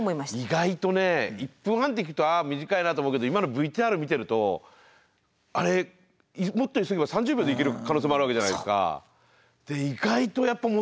意外とね１分半って聞くとああ短いなと思うけど今のＶＴＲ見てるとあれもっと急げば３０秒で行ける可能性もあるわけじゃないですか。